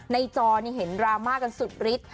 ในจอนี่เห็นดราม่ากันสุดฤทธิ์